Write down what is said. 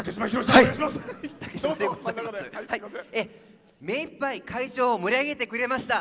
目いっぱい、会場を盛り上げてくれました